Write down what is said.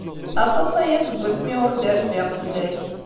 Aṭas aya seg wasmi ur d-rziɣ fell-ak.